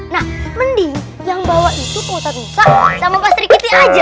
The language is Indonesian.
nah mending yang bawa itu pak ustadz nusa sama pak rikiti aja